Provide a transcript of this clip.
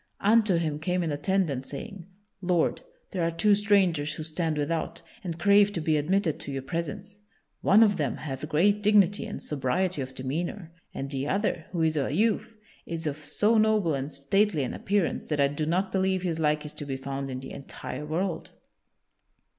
Unto him came an attendant, saying: "Lord, there are two strangers who stand without, and crave to be admitted to your presence. One of them hath great dignity and sobriety of demeanor, and the other, who is a youth, is of so noble and stately an appearance that I do not believe his like is to be found in the entire world."